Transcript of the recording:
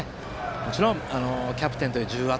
もちろん、キャプテンという重圧。